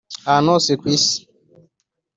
ahantu hose ku isi.